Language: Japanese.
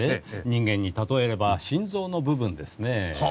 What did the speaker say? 人間に例えれば心臓の部分ですね。